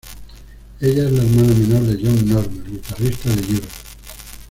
Ella es la hermana menor de John Norum, el guitarrista de Europe.